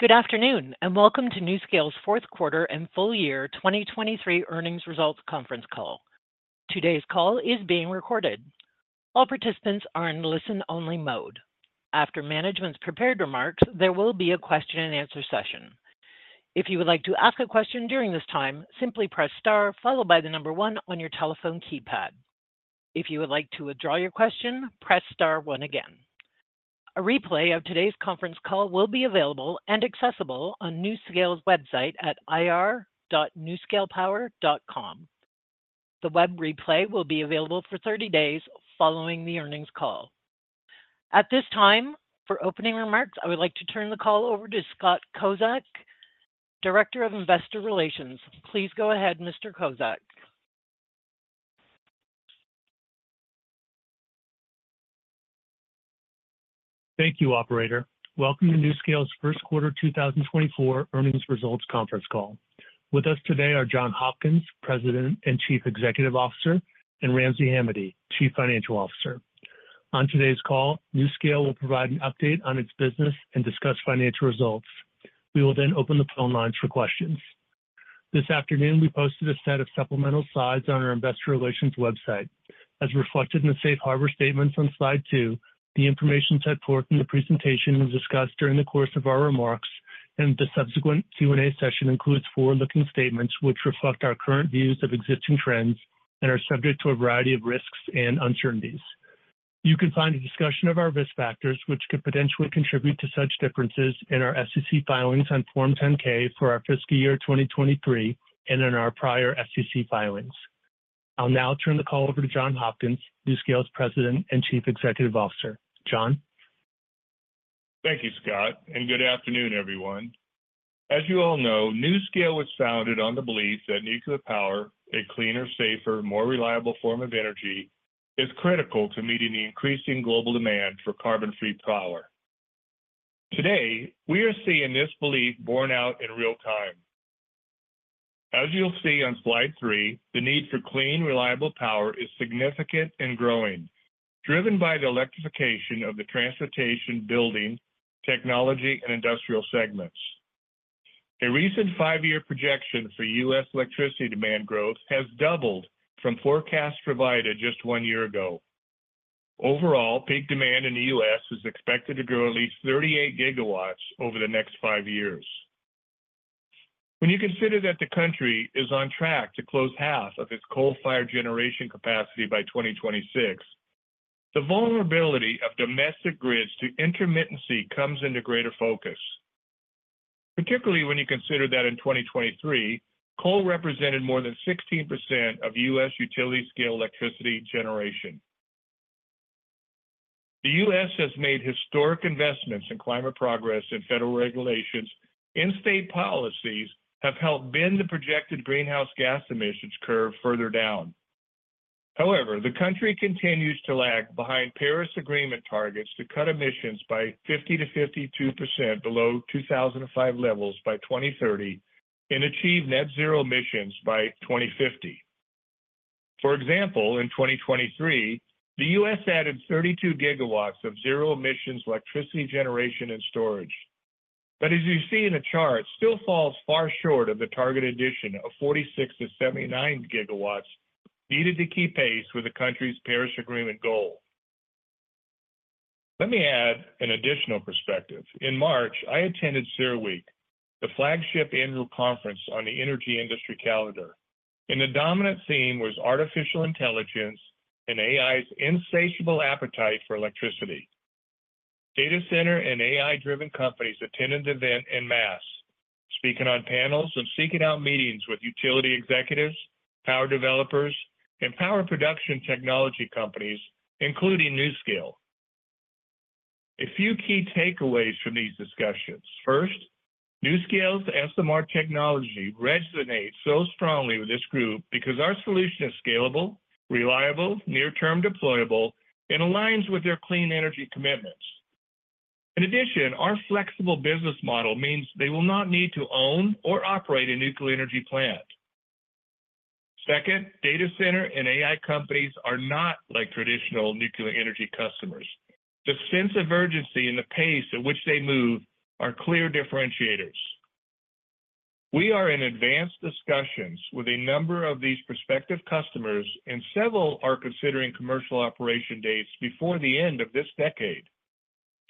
Good afternoon, and welcome to NuScale's fourth quarter and full year 2023 Earnings Results Conference Call. Today's call is being recorded. All participants are in listen-only mode. After management's prepared remarks, there will be a question-and-answer session. If you would like to ask a question during this time, simply press star, followed by the number one on your telephone keypad. If you would like to withdraw your question, press star one again. A replay of today's conference call will be available and accessible on NuScale's website at ir.nuscalepower.com. The web replay will be available for 30 days following the earnings call. At this time, for opening remarks, I would like to turn the call over to Scott Kozak, Director of Investor Relations. Please go ahead, Mr. Kozak. Thank you, Operator. Welcome to NuScale's first quarter 2024 earnings results conference call. With us today are John Hopkins, President and Chief Executive Officer, and Ramsey Hamady, Chief Financial Officer. On today's call, NuScale will provide an update on its business and discuss financial results. We will then open the phone lines for questions. This afternoon, we posted a set of supplemental slides on our investor relations website. As reflected in the safe harbor statements on slide 2, the information set forth in the presentation was discussed during the course of our remarks, and the subsequent Q&A session includes forward-looking statements which reflect our current views of existing trends and are subject to a variety of risks and uncertainties. You can find a discussion of our risk factors, which could potentially contribute to such differences in our SEC filings on Form 10-K for our fiscal year 2023 and in our prior SEC filings. I'll now turn the call over to John Hopkins, NuScale's President and Chief Executive Officer. John? Thank you, Scott, and good afternoon, everyone. As you all know, NuScale was founded on the belief that nuclear power, a cleaner, safer, more reliable form of energy, is critical to meeting the increasing global demand for carbon-free power. Today, we are seeing this belief borne out in real time. As you'll see on slide 3, the need for clean, reliable power is significant and growing, driven by the electrification of the transportation, building, technology, and industrial segments. A recent 5-year projection for U.S. electricity demand growth has doubled from forecasts provided just 1 year ago. Overall, peak demand in the U.S. is expected to grow at least 38 GW over the next 5 years. When you consider that the country is on track to close half of its coal-fired generation capacity by 2026, the vulnerability of domestic grids to intermittency comes into greater focus, particularly when you consider that in 2023, coal represented more than 16% of U.S. utility-scale electricity generation. The U.S. has made historic investments in climate progress, and federal regulations and state policies have helped bend the projected greenhouse gas emissions curve further down. However, the country continues to lag behind Paris Agreement targets to cut emissions by 50%-52% below 2005 levels by 2030 and achieve net zero emissions by 2050. For example, in 2023, the US added 32 GW of zero emissions electricity generation and storage. But as you see in the chart, still falls far short of the target addition of 46 GW-79 GW needed to keep pace with the country's Paris Agreement goal. Let me add an additional perspective. In March, I attended CERAWeek, the flagship annual conference on the energy industry calendar, and the dominant theme was artificial intelligence and AI's insatiable appetite for electricity. Data center and AI-driven companies attended the event en masse, speaking on panels and seeking out meetings with utility executives, power developers, and power production technology companies, including NuScale. A few key takeaways from these discussions. First, NuScale's SMR technology resonates so strongly with this group because our solution is scalable, reliable, near-term deployable, and aligns with their clean energy commitments. In addition, our flexible business model means they will not need to own or operate a nuclear energy plant. Second, data center and AI companies are not like traditional nuclear energy customers. The sense of urgency and the pace at which they move are clear differentiators. We are in advanced discussions with a number of these prospective customers, and several are considering commercial operation dates before the end of this decade.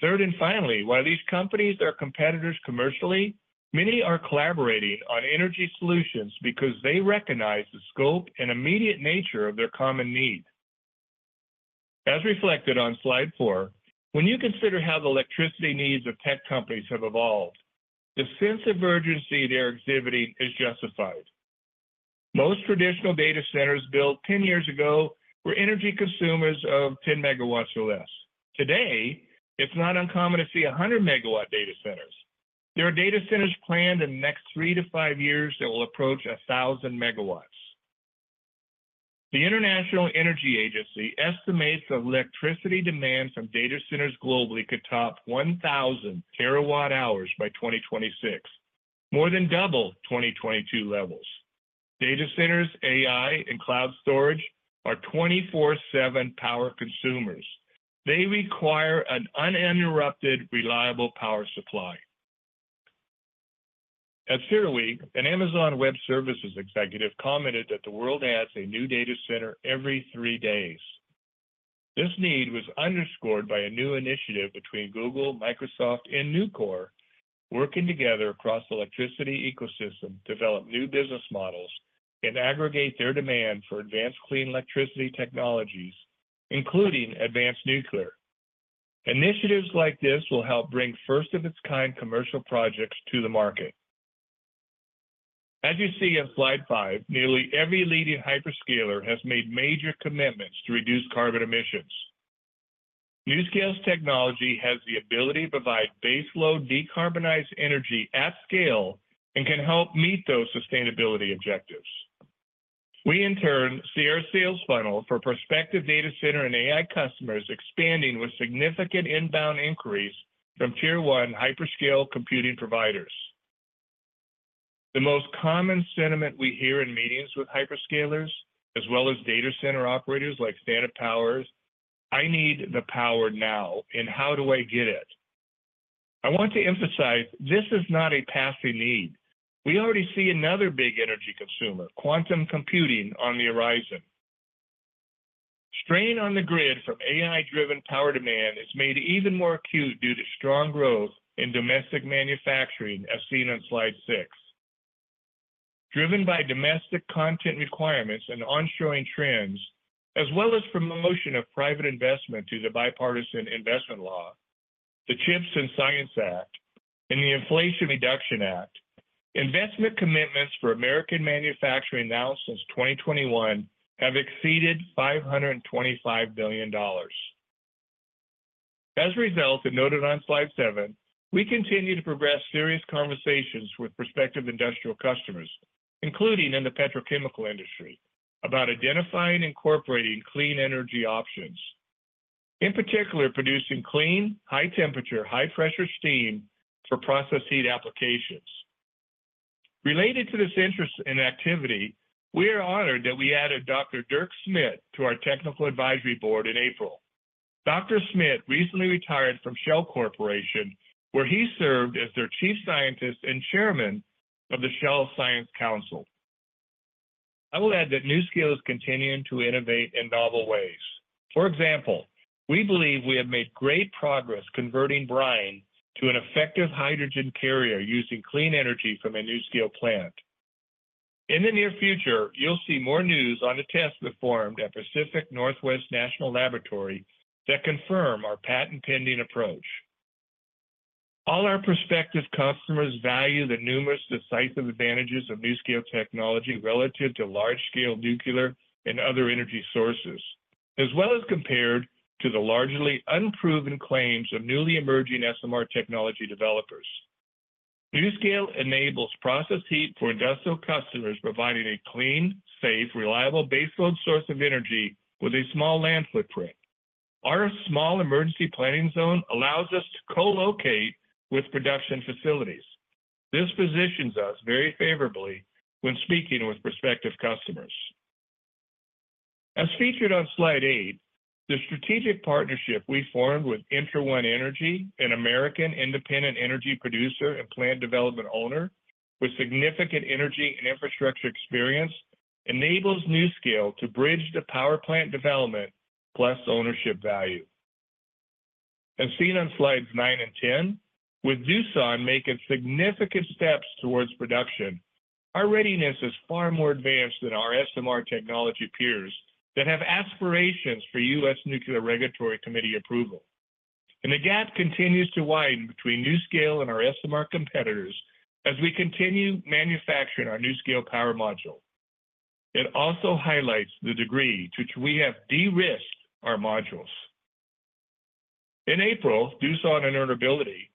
Third, and finally, while these companies are competitors commercially, many are collaborating on energy solutions because they recognize the scope and immediate nature of their common needs. As reflected on slide four, when you consider how the electricity needs of tech companies have evolved, the sense of urgency they are exhibiting is justified. Most traditional data centers built 10 years ago were energy consumers of 10 MW or less. Today, it's not uncommon to see 100 MW data centers. There are data centers planned in the next 3-5 years that will approach 1,000 MW. The International Energy Agency estimates that electricity demand from data centers globally could top 1,000 TWh by 2026, more than double 2022 levels. Data centers, AI, and cloud storage are 24/7 power consumers. They require an uninterrupted, reliable power supply. At CERAWeek, an Amazon Web Services executive commented that the world adds a new data center every three days. This need was underscored by a new initiative between Google, Microsoft, and Nucor, working together across the electricity ecosystem to develop new business models and aggregate their demand for advanced clean electricity technologies, including advanced nuclear. Initiatives like this will help bring first-of-its-kind commercial projects to the market. As you see on slide 5, nearly every leading hyperscaler has made major commitments to reduce carbon emissions. NuScale's technology has the ability to provide baseload decarbonized energy at scale and can help meet those sustainability objectives. We, in turn, see our sales funnel for prospective data center and AI customers expanding with significant inbound inquiries from Tier-1 hyperscale computing providers. The most common sentiment we hear in meetings with hyperscalers, as well as data center operators like Standard Power, "I need the power now, and how do I get it?" I want to emphasize, this is not a passing need. We already see another big energy consumer, quantum computing, on the horizon. Strain on the grid from AI-driven power demand is made even more acute due to strong growth in domestic manufacturing, as seen on slide 6. Driven by domestic content requirements and ongoing trends, as well as promotion of private investment through the Bipartisan Infrastructure Law, the CHIPS and Science Act, and the Inflation Reduction Act, investment commitments for American manufacturing now since 2021 have exceeded $525 billion. As a result, and noted on slide 7, we continue to progress serious conversations with prospective industrial customers, including in the petrochemical industry, about identifying and incorporating clean energy options. In particular, producing clean, high-temperature, high-pressure steam for process heat applications. Related to this interest and activity, we are honored that we added Dr. Dirk Smit to our Technical Advisory Board in April. Dr. Smit recently retired from Shell Corporation, where he served as their Chief Scientist and Chairman of the Shell Science Council. I will add that NuScale is continuing to innovate in novel ways. For example, we believe we have made great progress converting brine to an effective hydrogen carrier using clean energy from a NuScale plant. In the near future, you'll see more news on the tests performed at Pacific Northwest National Laboratory that confirm our patent-pending approach. All our prospective customers value the numerous decisive advantages of NuScale technology relative to large-scale nuclear and other energy sources, as well as compared to the largely unproven claims of newly emerging SMR technology developers. NuScale enables process heat for industrial customers, providing a clean, safe, reliable baseload source of energy with a small land footprint. Our small emergency planning zone allows us to co-locate with production facilities. This positions us very favorably when speaking with prospective customers. As featured on slide 8, the strategic partnership we formed with ENTRA1 Energy, an American independent energy producer and plant development owner with significant energy and infrastructure experience, enables NuScale to bridge the power plant development plus ownership value. As seen on slides 9 and 10, with Doosan making significant steps towards production, our readiness is far more advanced than our SMR technology peers that have aspirations for U.S. Nuclear Regulatory Commission approval. The gap continues to widen between NuScale and our SMR competitors as we continue manufacturing our NuScale Power Module. It also highlights the degree to which we have de-risked our modules. In April, Doosan Enerbility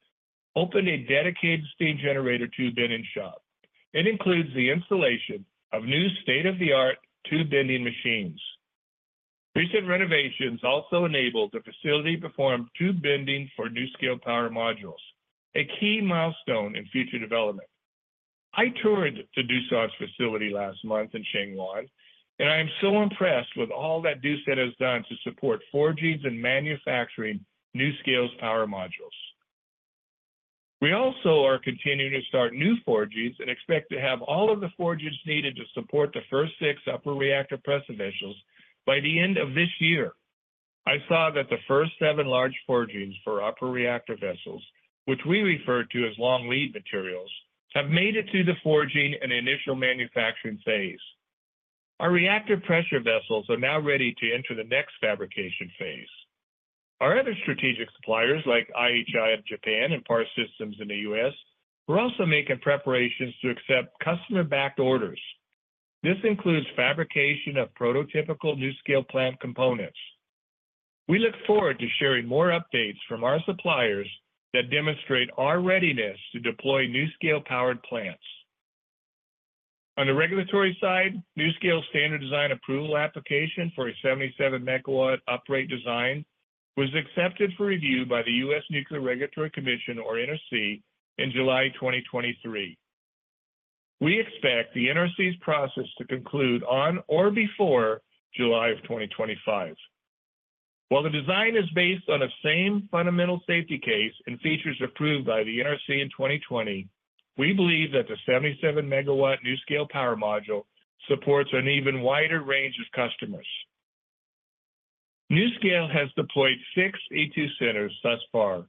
opened a dedicated steam generator tube bending shop. It includes the installation of new state-of-the-art tube bending machines. Recent renovations also enabled the facility to perform tube bending for NuScale Power Modules, a key milestone in future development. I toured Doosan's facility last month in Changwon, and I am so impressed with all that Doosan has done to support forgings and manufacturing NuScale's Power Modules. We also are continuing to start new forgings and expect to have all of the forgings needed to support the first 6 upper reactor pressure vessels by the end of this year. I saw that the first 7 large forgings for upper reactor pressure vessels, which we refer to as long-lead materials, have made it to the forging and initial manufacturing phase. Our reactor pressure vessels are now ready to enter the next fabrication phase. Our other strategic suppliers, like IHI of Japan and PAR Systems in the U.S., are also making preparations to accept customer-backed orders. This includes fabrication of prototypical NuScale plant components. We look forward to sharing more updates from our suppliers that demonstrate our readiness to deploy NuScale-powered plants. On the regulatory side, NuScale's standard design approval application for a 77 MW uprated design was accepted for review by the U.S. Nuclear Regulatory Commission, or NRC, in July 2023. We expect the NRC's process to conclude on or before July 2025. While the design is based on the same fundamental safety case and features approved by the NRC in 2020, we believe that the 77 MW NuScale Power Module supports an even wider range of customers. NuScale has deployed six E2 Centers thus far,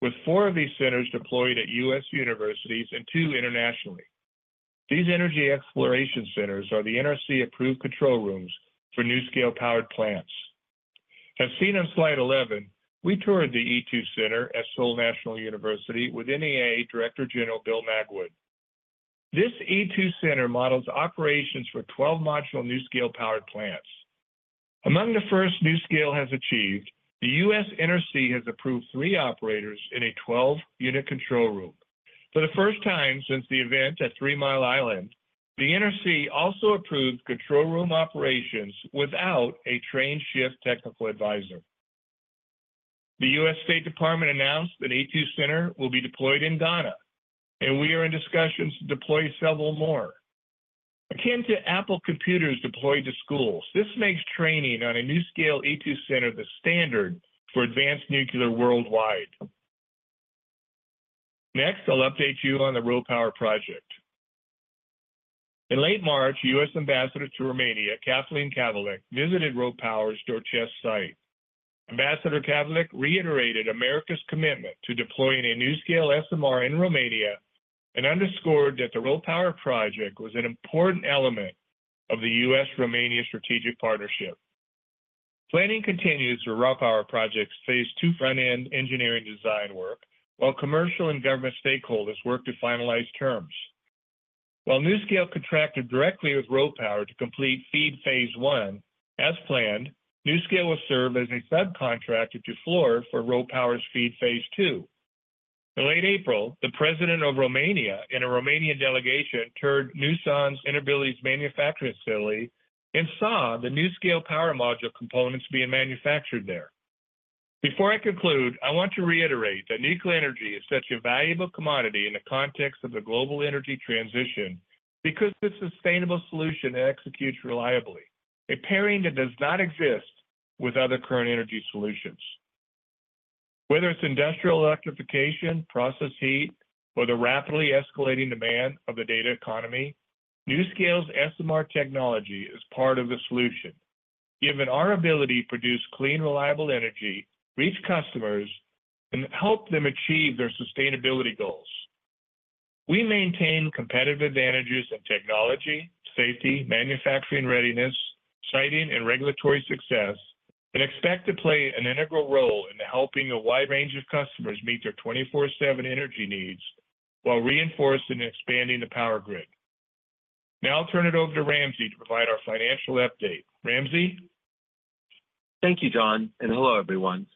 with four of these centers deployed at U.S. universities and two internationally. These energy exploration centers are the NRC-approved control rooms for NuScale-powered plants. As seen on slide 11, we toured the E2 Center at Seoul National University with NEA Director General Bill Magwood. This E2 Center models operations for 12 modular NuScale-powered plants. Among the first NuScale has achieved, the U.S. NRC has approved three operators in a 12-unit control room. For the first time since the event at Three Mile Island, the NRC also approved control room operations without a trained shift technical advisor. The U.S. State Department announced that E2 Center will be deployed in Ghana, and we are in discussions to deploy several more. Akin to Apple computers deployed to schools, this makes training on a NuScale E2 Center the standard for advanced nuclear worldwide. Next, I'll update you on the RoPower project. In late March, U.S. Ambassador to Romania, Kathleen Kavalec, visited RoPower's Doicești site. Ambassador Kavalec reiterated America's commitment to deploying a NuScale SMR in Romania, and underscored that the RoPower project was an important element of the U.S.-Romania strategic partnership. Planning continues for RoPower project's phase II front-end engineering design work, while commercial and government stakeholders work to finalize terms. While NuScale contracted directly with RoPower to complete FEED Phase I, as planned, NuScale will serve as a subcontractor to Fluor for RoPower's FEED Phase II. In late April, the President of Romania and a Romanian delegation toured Doosan's Enerbility manufacturing facility and saw the NuScale Power Module components being manufactured there. Before I conclude, I want to reiterate that nuclear energy is such a valuable commodity in the context of the global energy transition because it's a sustainable solution that executes reliably, a pairing that does not exist with other current energy solutions. Whether it's industrial electrification, process heat, or the rapidly escalating demand of the data economy, NuScale's SMR technology is part of the solution, given our ability to produce clean, reliable energy, reach customers, and help them achieve their sustainability goals. We maintain competitive advantages in technology, safety, manufacturing readiness, siting, and regulatory success, and expect to play an integral role in helping a wide range of customers meet their 24/7 energy needs while reinforcing and expanding the power grid. Now I'll turn it over to Ramsey to provide our financial update. Ramsey? Thank you, John, and hello, everyone.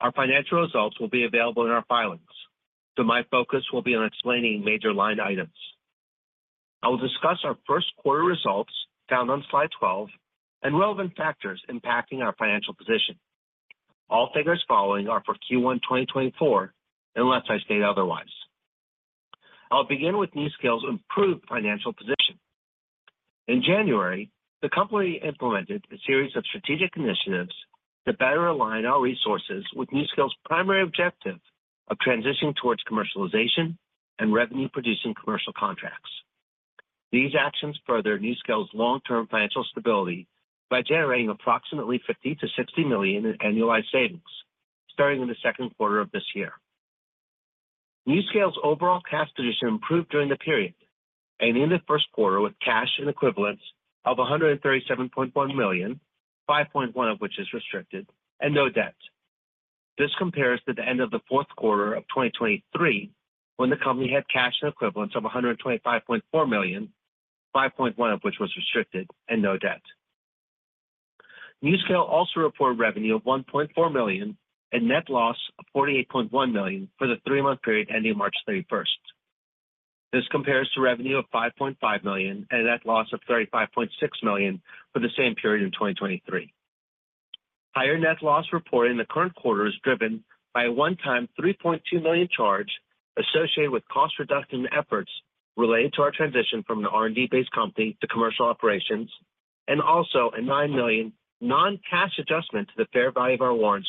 Our financial results will be available in our filings, so my focus will be on explaining major line items. I will discuss our first quarter results, found on slide 12, and relevant factors impacting our financial position. All figures following are for Q1 2024, unless I state otherwise. I'll begin with NuScale's improved financial position. In January, the company implemented a series of strategic initiatives to better align our resources with NuScale's primary objective of transitioning towards commercialization and revenue-producing commercial contracts. These actions further NuScale's long-term financial stability by generating approximately $50 million-$60 million in annualized savings, starting in the second quarter of this year. NuScale's overall cash position improved during the period, and in the first quarter, with cash and equivalents of $137.1 million, $5.1 million of which is restricted, and no debt. This compares to the end of the fourth quarter of 2023, when the company had cash and equivalents of $125.4 million, $5.1 million of which was restricted, and no debt. NuScale also reported revenue of $1.4 million and net loss of $48.1 million for the three-month period ending March 31st. This compares to revenue of $5.5 million and a net loss of $35.6 million for the same period in 2023. Higher net loss reported in the current quarter is driven by a one-time $3.2 million charge associated with cost reduction efforts related to our transition from an R&D-based company to commercial operations, and also a $9 million non-cash adjustment to the fair value of our warrants,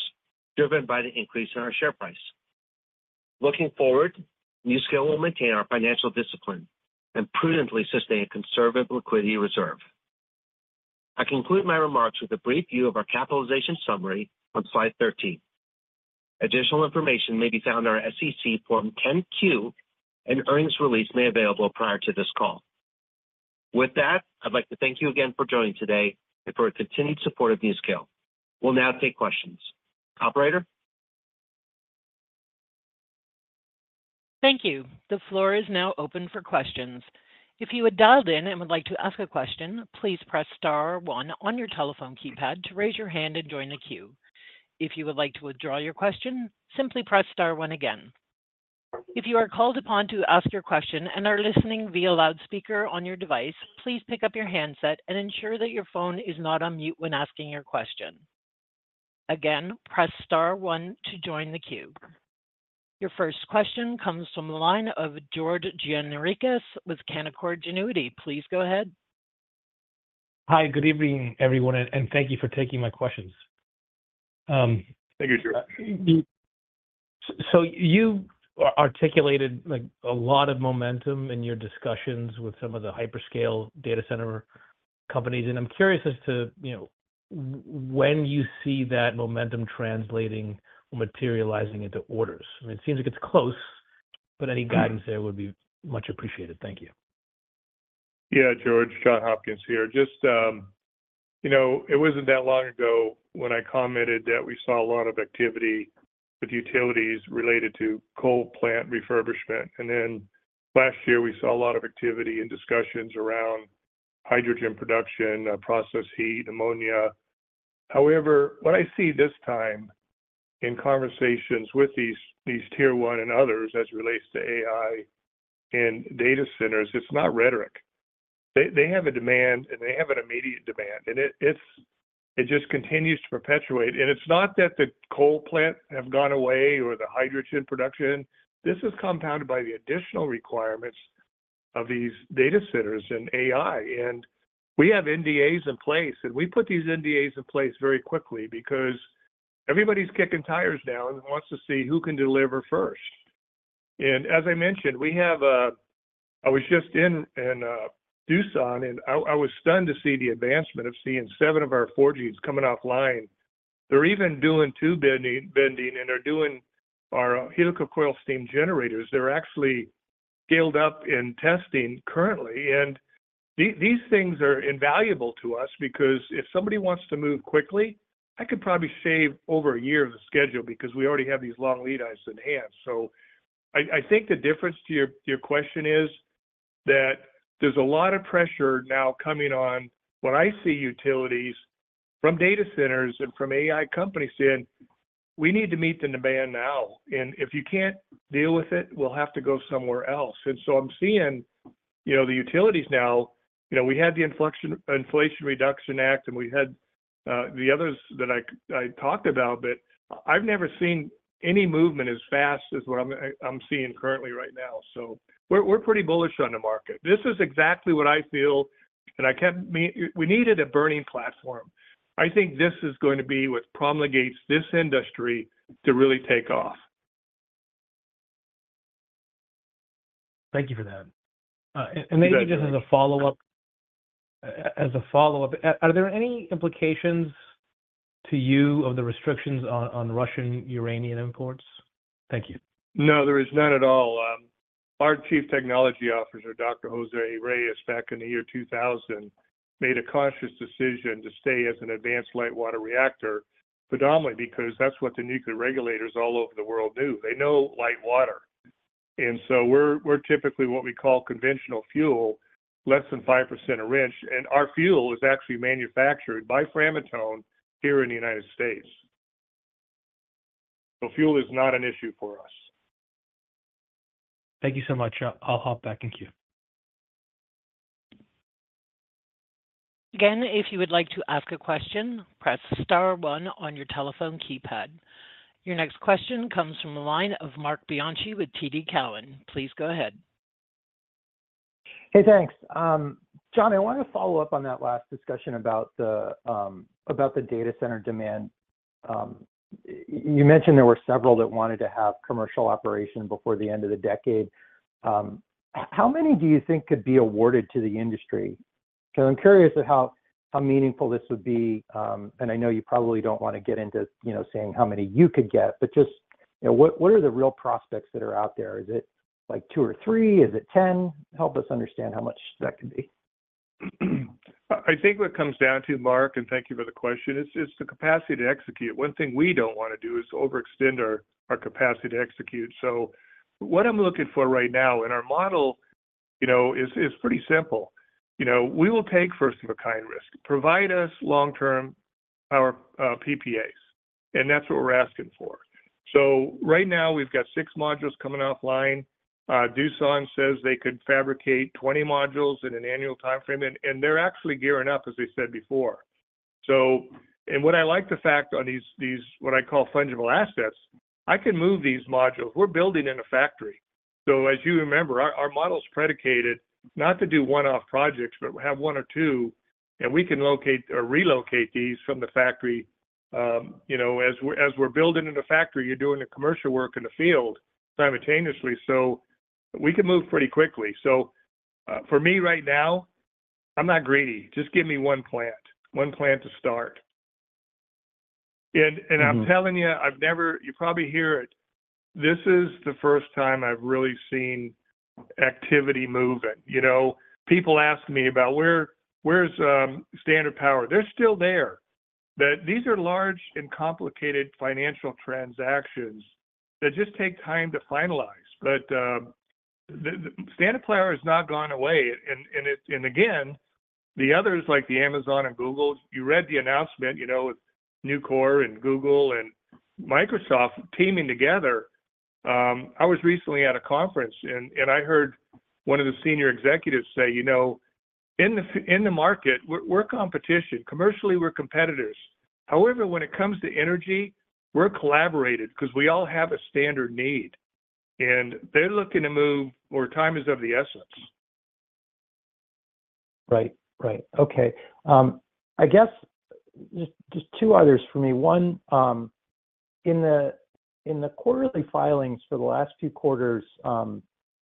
driven by the increase in our share price. Looking forward, NuScale will maintain our financial discipline and prudently sustain a conservative liquidity reserve. I conclude my remarks with a brief view of our capitalization summary on slide 13. Additional information may be found in our SEC Form 10-Q and earnings release made available prior to this call. With that, I'd like to thank you again for joining today and for your continued support of NuScale. We'll now take questions. Operator? Thank you. The floor is now open for questions. If you had dialed in and would like to ask a question, please press star one on your telephone keypad to raise your hand and join the queue. If you would like to withdraw your question, simply press star one again. If you are called upon to ask your question and are listening via loudspeaker on your device, please pick up your handset and ensure that your phone is not on mute when asking your question. Again, press star one to join the queue. Your first question comes from the line of George Gianarikas with Canaccord Genuity. Please go ahead. Hi, good evening, everyone, and thank you for taking my questions. Thank you, George. So you articulated, like, a lot of momentum in your discussions with some of the hyperscale data center companies, and I'm curious as to, you know, when you see that momentum translating or materializing into orders? I mean, it seems like it's close, but any guidance there would be much appreciated. Thank you. Yeah, George, John Hopkins here. Just, you know, it wasn't that long ago when I commented that we saw a lot of activity with utilities related to coal plant refurbishment, and then last year we saw a lot of activity and discussions around hydrogen production, process heat, ammonia. However, what I see this time in conversations with these, these tier one and others as it relates to AI and data centers, it's not rhetoric. They, they have a demand, and they have an immediate demand, and it just continues to perpetuate. And it's not that the coal plant have gone away or the hydrogen production. This is compounded by the additional requirements of these data centers and AI, and we have NDAs in place, and we put these NDAs in place very quickly because everybody's kicking tires now and wants to see who can deliver first. And as I mentioned, I was just in Doosan, and I was stunned to see the advancement of seeing seven of our forges coming offline. They're even doing tube bending, and they're doing our helical coil steam generators. They're actually scaled up in testing currently, and these things are invaluable to us because if somebody wants to move quickly, I could probably save over a year of the schedule because we already have these long lead items in hand. So I think the difference to your question is that there's a lot of pressure now coming on when I see utilities from data centers and from AI companies saying, "We need to meet the demand now, and if you can't deal with it, we'll have to go somewhere else." And so I'm seeing, you know, the utilities now, you know, we had the Inflation Reduction Act, and we had the others that I talked about, but I've never seen any movement as fast as what I'm seeing currently right now. So we're pretty bullish on the market. This is exactly what I feel, and we needed a burning platform. I think this is going to be what promulgates this industry to really take off. Thank you for that. You bet, George. And maybe just as a follow-up, are there any implications to you of the restrictions on Russian uranium imports? Thank you. No, there is none at all. Our Chief Technology Officer, Dr. José Reyes, back in the year 2000, made a conscious decision to stay as an advanced light water reactor, predominantly because that's what the nuclear regulators all over the world do. They know light water, and so we're typically what we call conventional fuel, less than 5% enriched, and our fuel is actually manufactured by Framatome here in the United States. So fuel is not an issue for us. Thank you so much. I'll hop back in queue. Again, if you would like to ask a question, press star one on your telephone keypad. Your next question comes from the line of Marc Bianchi with TD Cowen. Please go ahead. Hey, thanks. John, I want to follow up on that last discussion about the data center demand. You mentioned there were several that wanted to have commercial operation before the end of the decade. How many do you think could be awarded to the industry? So I'm curious at how meaningful this would be, and I know you probably don't want to get into, you know, saying how many you could get, but just, you know, what are the real prospects that are out there? Is it like two or three? Is it 10? Help us understand how much that could be. I think what it comes down to, Marc, and thank you for the question, it's the capacity to execute. One thing we don't want to do is overextend our capacity to execute. So what I'm looking for right now in our model, you know, is pretty simple. You know, we will take first-of-a-kind risk, provide us long-term power PPAs, and that's what we're asking for. So right now, we've got six modules coming offline. Doosan says they could fabricate 20 modules in an annual timeframe, and they're actually gearing up, as I said before. And what I like the fact on these, these what I call fungible assets, I can move these modules. We're building in a factory. So as you remember, our model is predicated not to do one-off projects, but we have one or two, and we can locate or relocate these from the factory. You know, as we're building in the factory, you're doing the commercial work in the field simultaneously, so we can move pretty quickly. So, for me right now, I'm not greedy. Just give me one plant, one plant to start. I'm telling you, I've never, you probably hear it, this is the first time I've really seen activity moving. You know, people ask me about where's Standard Power? They're still there. But these are large and complicated financial transactions that just take time to finalize. But the Standard Power has not gone away, and again, the others, like the Amazon and Googles, you read the announcement, you know, with Nucor and Google and Microsoft teaming together. I was recently at a conference and I heard one of the senior executives say, "You know, in the market, we're competition. Commercially, we're competitors. However, when it comes to energy, we're collaborated, 'cause we all have a standard need." And they're looking to move, where time is of the essence. Right. Right. Okay, I guess just two others for me. One, in the quarterly filings for the last few quarters,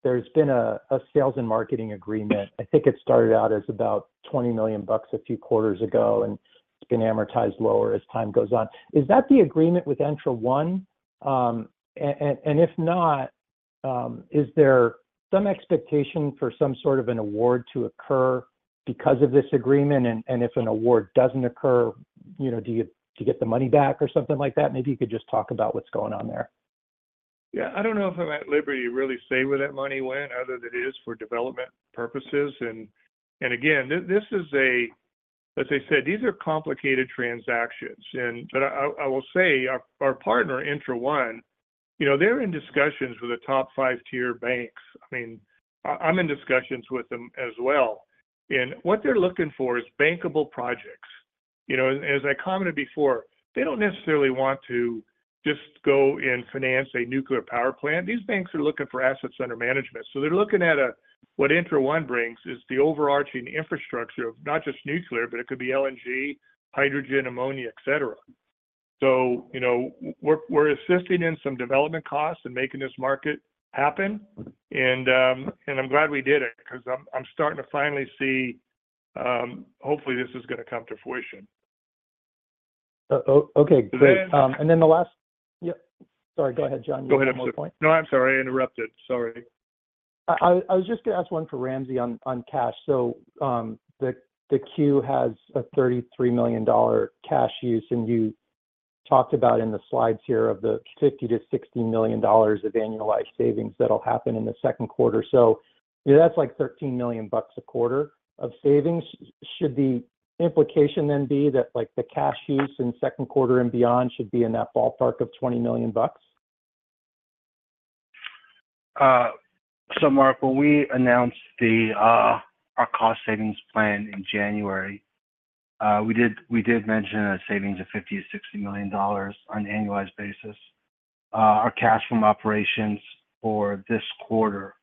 there's been a sales and marketing agreement. I think it started out as about $20 million bucks a few quarters ago, and it's been amortized lower as time goes on. Is that the agreement with ENTRA1? And if not, is there some expectation for some sort of an award to occur because of this agreement? And if an award doesn't occur, you know, do you get to get the money back or something like that? Maybe you could just talk about what's going on there. Yeah, I don't know if I'm at liberty to really say where that money went, other than it is for development purposes. And again, as I said, these are complicated transactions. But I will say our partner, ENTRA1, you know, they're in discussions with the top five-tier banks. I mean, I'm in discussions with them as well, and what they're looking for is bankable projects. You know, as I commented before, they don't necessarily want to just go and finance a nuclear power plant. These banks are looking for assets under management. So they're looking at what ENTRA1 brings, is the overarching infrastructure of not just nuclear, but it could be LNG, hydrogen, ammonia, et cetera. So, you know, we're assisting in some development costs and making this market happen, and I'm glad we did it, 'cause I'm starting to finally see, hopefully this is gonna come to fruition. Okay, great. And then the last, yep. Sorry, go ahead, John. You had more point. No, I'm sorry, I interrupted. Sorry. I was just gonna ask one for Ramsey on cash. So, the Q has a $33 million cash use, and you talked about in the slides here of the $50million-$60 million of annualized savings that'll happen in the second quarter. So that's like $13 million a quarter of savings. Should the implication then be that, like, the cash use in second quarter and beyond should be in that ballpark of $20 million? So Mark, when we announced the, our cost savings plan in January, we did, we did mention a savings of $50million-$60 million on an annualized basis. Our cash from operations for this quarter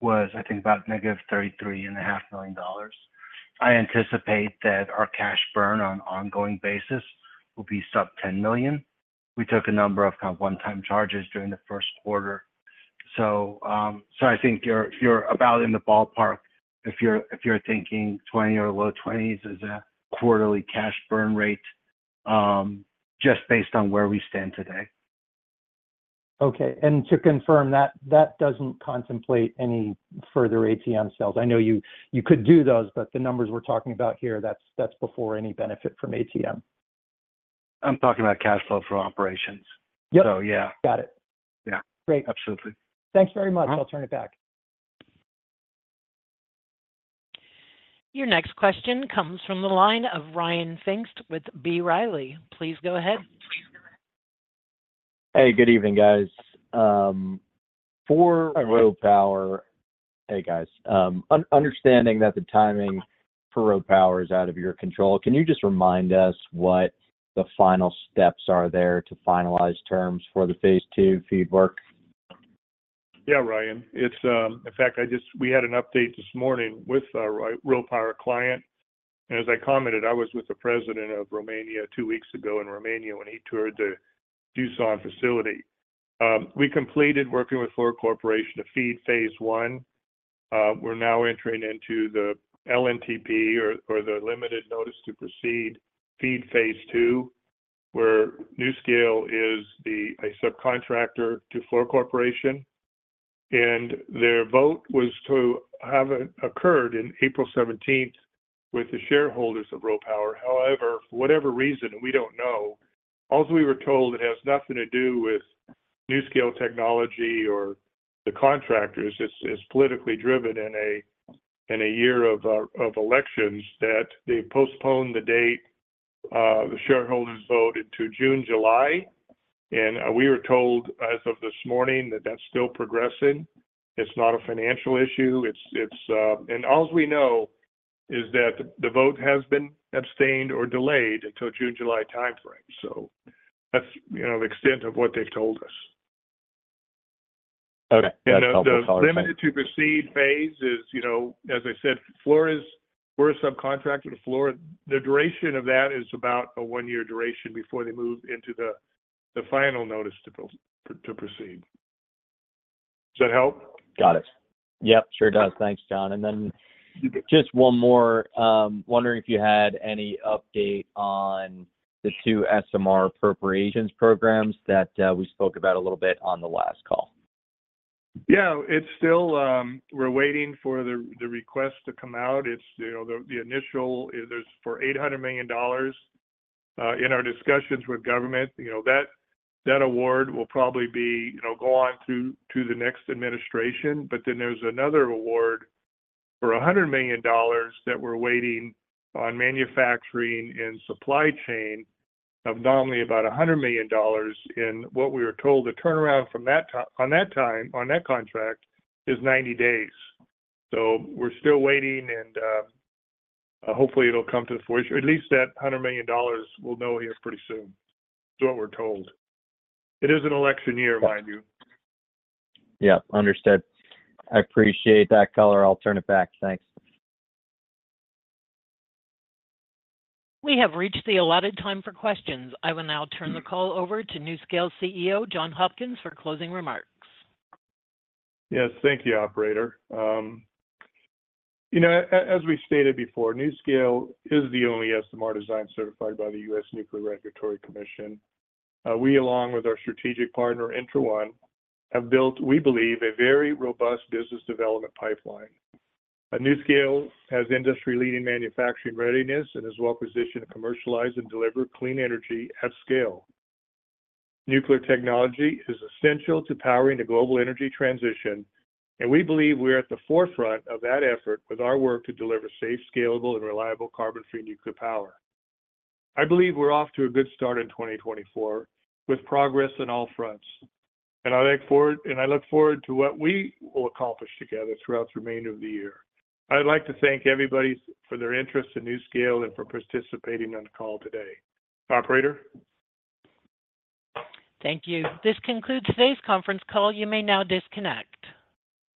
was, I think, about negative $33.5 million. I anticipate that our cash burn on an ongoing basis will be sub $10 million. We took a number of kind of one-time charges during the first quarter. So, so I think you're, you're about in the ballpark if you're, if you're thinking 20 or low 20s as a quarterly cash burn rate, just based on where we stand today. Okay, and to confirm that, that doesn't contemplate any further ATM sales. I know you could do those, but the numbers we're talking about here, that's before any benefit from ATM. I'm talking about cash flow from operations. Yep. So, yeah. Got it. Yeah. Great. Absolutely. Thanks very much. I'll turn it back. Your next question comes from the line of Ryan Pfingst with B. Riley. Please go ahead. Hey, good evening, guys. Understanding that the timing for RoPower is out of your control, can you just remind us what the final steps are there to finalize terms for the Phase II FEED work? Yeah, Ryan. In fact, we had an update this morning with our RoPower client, and as I commented, I was with the president of Romania two weeks ago in Romania when he toured the Doosan facility. We completed working with Fluor Corporation to FEED Phase I. We're now entering into the LNTP, or the Limited Notice to Proceed, FEED Phase II, where NuScale is a subcontractor to Fluor Corporation, and their vote was to have occurred in April 17th with the shareholders of RoPower. However, for whatever reason, we don't know, all we were told it has nothing to do with NuScale technology or the contractors. It's politically driven in a year of elections that they postponed the date, the shareholders vote into June, July, and we were told, as of this morning, that that's still progressing. It's not a financial issue. And all we know is that the vote has been abstained or delayed until June, July timeframe. So that's, you know, the extent of what they've told us. Okay, that's helpful. The Limited Notice to Proceed phase is, you know, as I said, Fluor. We're a subcontractor to Fluor. The duration of that is about a one-year duration before they move into the final notice to proceed. Does that help? Got it. Yep, sure does. Thanks, John. You bet And then just one more. Wondering if you had any update on the two SMR appropriations programs that we spoke about a little bit on the last call? Yeah, it's still, we're waiting for the request to come out. It's, you know, the initial is for $800 million. In our discussions with government, you know, that award will probably be, you know, go on to the next administration. But then there's another award for $100 million that we're waiting on manufacturing and supply chain of nominally about $100 million. And what we were told, the turnaround from that time on that contract, is 90 days. So we're still waiting, and hopefully, it'll come to fruition. At least that $100 million we'll know here pretty soon, is what we're told. It is an election year, mind you. Yeah, understood. I appreciate that, Color. I'll turn it back. Thanks. We have reached the allotted time for questions. I will now turn the call over to NuScale's CEO, John Hopkins, for closing remarks. Yes, thank you, operator. You know, as we stated before, NuScale is the only SMR design certified by the U.S. Nuclear Regulatory Commission. We, along with our strategic partner, ENTRA1, have built, we believe, a very robust business development pipeline. At NuScale, has industry-leading manufacturing readiness and is well positioned to commercialize and deliver clean energy at scale. Nuclear technology is essential to powering the global energy transition, and we believe we're at the forefront of that effort with our work to deliver safe, scalable, and reliable carbon-free nuclear power. I believe we're off to a good start in 2024, with progress on all fronts, and I look forward, and I look forward to what we will accomplish together throughout the remainder of the year. I'd like to thank everybody for their interest in NuScale and for participating on the call today. Operator? Thank you. This concludes today's conference call. You may now disconnect.